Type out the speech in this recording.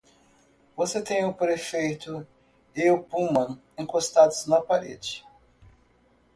Você tem o prefeito e o Pullman encostados na parede.